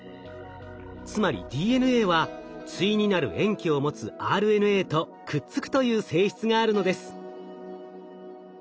つまりＤＮＡは対になる塩基を持つＲＮＡとくっつくという性質があるのです。